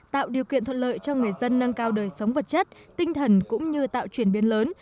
tạo điều kiện thuận lợi cho người dân nâng cao đời sống vật chất tinh thần cũng như tạo chuyển biến lớn